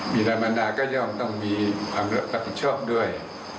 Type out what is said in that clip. มีธรรมดาก็ย่อมต้องมีความรับผิดชอบด้วย